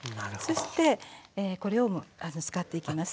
そしてこれを使っていきます。